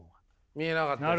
見えなかったです。